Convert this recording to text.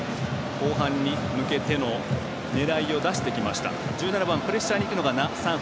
後半に向けての狙いを出してきました。